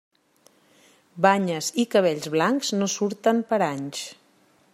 Banyes i cabells blancs, no surten per anys.